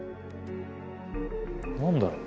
何だろう？